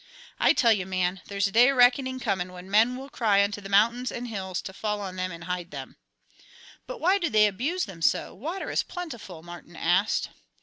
"I tell you, man, there's a day of reckoning coming when men will cry unto the mountains and hills to fall on them and hide them." "But why do they abuse them so? Water is plentiful," Martin asked.